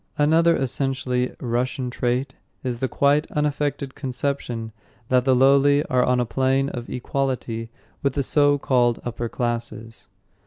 Another essentially Russian trait is the quite unaffected conception that the lowly are on a plane of equality with the so called upper classes.